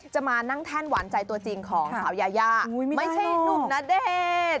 จะมานั่งแท่นหวานใจตัวจริงของสาวยายาไม่ใช่หนุ่มณเดชน์